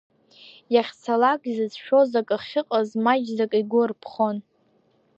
Иахьцалак, изыцәшәоз ак ахьыҟаз маҷӡак игәы арԥхон.